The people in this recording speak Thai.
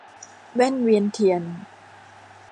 แว่นเวียนเทียน